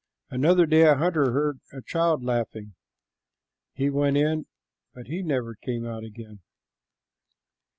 Another day a hunter heard a child laughing. He went in, but he never came out again.